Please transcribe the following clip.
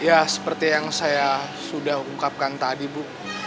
ya seperti yang saya sudah ungkapkan tadi bu